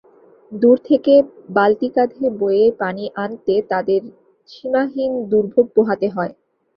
দূর থেকে বালতি কাঁধে বয়ে পানি আনতে তাঁদের সীমাহীন দুর্ভোগ পাহাতে হয়।